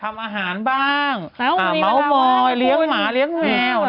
ทำอาหารบ้างเมาส์มอยเลี้ยงหมาเลี้ยงแมว